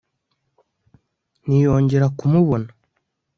ntiyongera kumubona